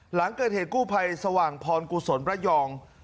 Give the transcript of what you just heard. หลังเกิดเหตุกู้ภัยสว่างพรกุศลระยอง